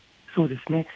そうですね。